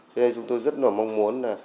vì vậy chúng tôi rất mong muốn